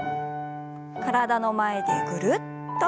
体の前でぐるっと。